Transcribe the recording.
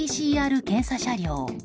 ＰＣＲ検査車両。